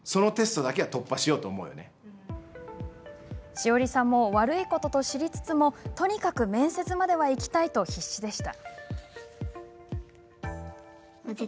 しおりさんも悪いことと知りつつも、とにかく面接まではいきたいと必死でした。